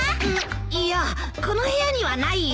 いやこの部屋にはないよ。